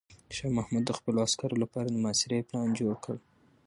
شاه محمود د خپلو عسکرو لپاره د محاصرې پلان جوړ کړ.